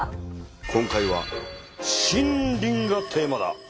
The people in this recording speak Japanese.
今回は「森林」がテーマだ。